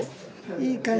いい感じ？